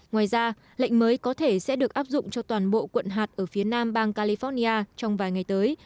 ngoài ra lệnh mới có thể sẽ được áp dụng cho toàn bộ quận hạt ở phía nam bang california trong vài ngày tới